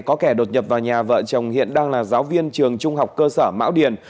có kẻ đột nhập vào nhà vợ chồng hiện đang là giáo viên trường trung học cơ sở mão điền